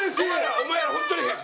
お前らホントに。